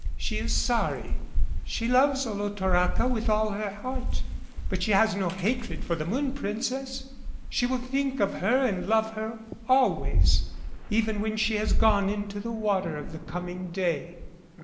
She is sorry. She loves Olotoraca with her whole heart but she has no hatred for the Moon Princess. She will think of her and love her always even when she has gone into the water of the coming day."